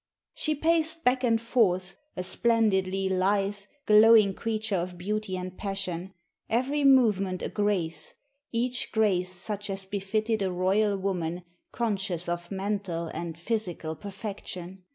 She paced back and forth, a splendidly lithe, glowing creature of beauty and passion, every movement a grace, each grace such as befitted a royal woman conscious of mental and physical perfection.